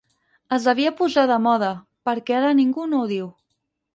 Es devia posar de moda, perquè ara ningú no ho diu.